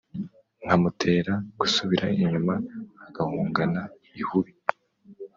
nkamutera gusubira inyuma agahungana ihubi